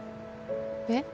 えっ？